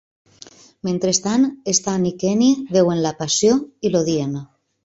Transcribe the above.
Mentrestant, Stan i Kenny veuen "La passió" i l'odien.